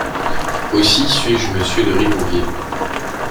Aussi, suis-je Monsieur de Rimouville.